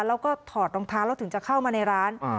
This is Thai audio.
แล้วก็ถอดรองเท้าแล้วถึงจะเข้ามาในร้าน